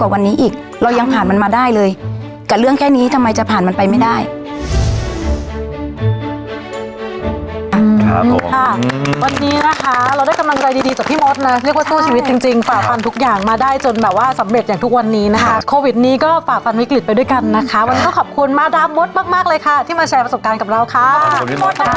วันนี้นะคะเราได้กำลังใจดีดีจากพี่มดนะเรียกว่าสู้ชีวิตจริงจริงฝากฟันทุกอย่างมาได้จนแบบว่าสำเร็จอย่างทุกวันนี้นะฮะโควิดนี้ก็ฝากฟันวิกฤตไปด้วยกันนะคะวันนี้ก็ขอบคุณมาดามมดมากมากเลยค่ะที่มาแชร์ประสบการณ์กับเราครับ